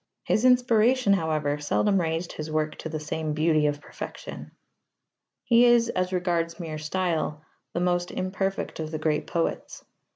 His inspiration, however, seldom raised his work to the same beauty of perfection. He is, as regards mere style, the most imperfect of the great poets.